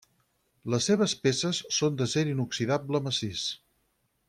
Les seves peces són d'acer inoxidable massís.